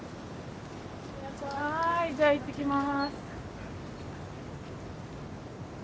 はいじゃあいってきます。